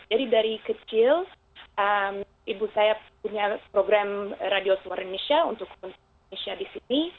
jadi dari kecil ibu saya punya program radio suara indonesia untuk konsumen indonesia di sini